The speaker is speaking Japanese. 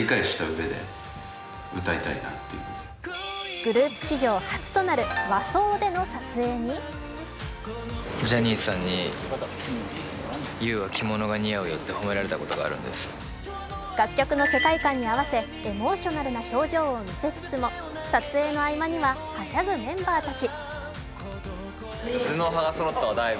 グループ史上初となる和装での撮影に楽曲の世界観に合わせエモーショナルな表情を見せつつも撮影の合間にははしゃぐメンバーたち。